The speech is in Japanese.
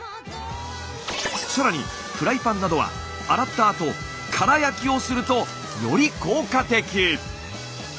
更にフライパンなどは洗ったあと空焼きをするとより効果的。